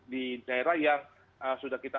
di daerah yang sudah kita